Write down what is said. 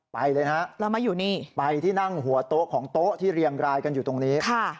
ไปเลยนะครับไปที่นั่งหัวโต๊ะของโต๊ะที่เรียงรายกันอยู่ตรงนี้ค่ะ